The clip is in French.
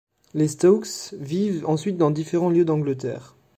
Les Stokes vivent ensuite dans différents lieux d'Angleterre.